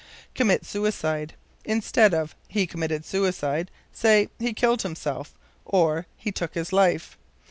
Commit Suicide. Instead of "He committed suicide," say, He killed himself, or, He took his life.